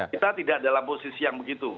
kita tidak dalam posisi yang begitu